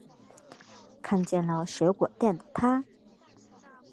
看见了水果店的她